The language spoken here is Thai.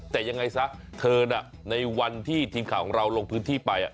แต่ยังไงซะเธอน่ะในวันที่ทีมข่าวของเราลงพื้นที่ไป